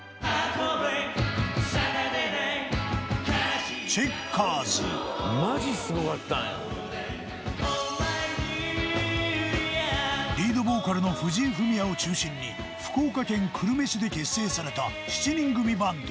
「Ｏｌ’ＭｙＪｕｌｌｉａ」リードボーカルの藤井フミヤを中心に福岡県久留米市で結成された７人組バンド。